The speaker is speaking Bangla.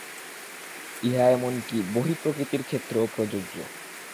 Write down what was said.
ইহা এমন কি বহিঃপ্রকৃতির ক্ষেত্রেও প্রযোজ্য।